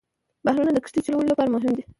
بحرونه د کښتۍ چلولو لپاره مهم دي.